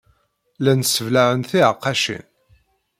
Llant sseblaɛent tiɛeqqacin.